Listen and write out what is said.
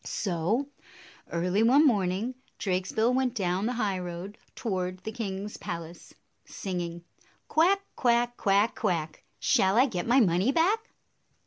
So, early one morning, Drakesbill went down the highroad toward the king's palace, singing, "Quack, quack! Quack, quack! Shall I get my money back?"